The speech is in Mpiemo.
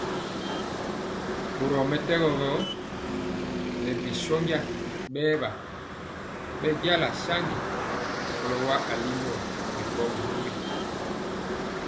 Borɔ mɛtɛgɔ gɔ, ŋɛɛ bi shónja bɛɛwa bɛnja saŋgi kɔlo wa alimbɔ ripɔgi bori.